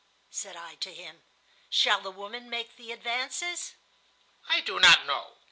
said I to him. "Shall the woman make the advances?" "I do not know.